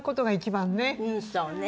「うんそうね」